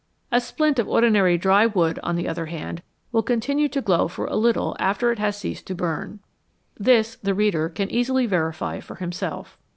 A splint of ordinary dry wood, on the other hand, will con tinue to glow for a little after it has ceased to burn. This the reader can easily verify for himself.